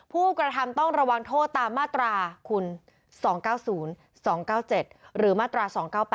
ผู้กระทำต้องระวังโทษตามมาตราคุณ๒๙๐๒๙๗หรือมาตรา๒๙๘